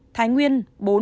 thái nguyên bốn